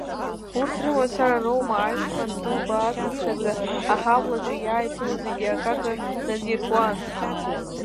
Урҭ рымацара роума, ашьхантә дылбаацыԥхьаӡа, аҳаблаҿы иааиԥыло зегьы акака надиркуан.